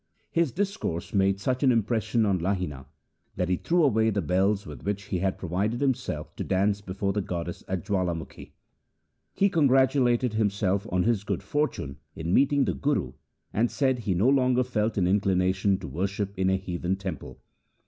His discourse made such an impression on Lahina that he threw away the bells with which he had provided himself to dance before the goddess at J awalamukhi. He congratulated himself on his good fortune in meeting the Guru, and said he no longer felt an inclination to worship in a heathen temple.